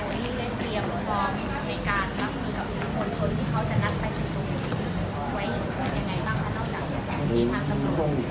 แล้วทุกคนที่ไม่ได้เตรียมพร้อมในการรับมีกับอีกผลทนที่เขาจะนัดไปสรุปไว้ยังไงบ้าง